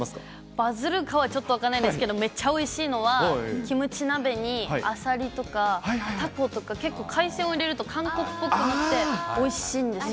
バズるかはちょっと分かんないんですけど、めっちゃおいしいのは、キムチ鍋にアサリとか、タコとか、結構、海鮮を入れると韓国ぽくなっておいしいんですよ。